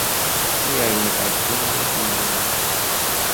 Kial mi aldonu ion.